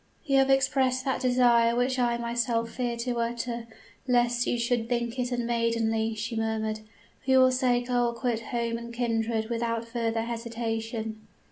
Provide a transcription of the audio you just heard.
"'You have expressed that desire which I myself feared to utter, lest you should think it unmaidenly,' she murmured. 'For your sake I will quit home and kindred without further hesitation.'